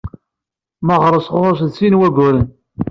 Meɣres ɣur-s sin n wayyuren.